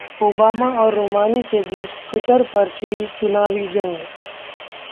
Obama और Romney के बीच ट्विटर पर छिड़ी चुनावी ‘जंग’